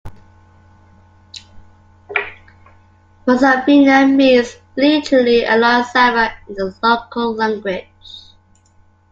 Posavina means literally along Sava in the local language.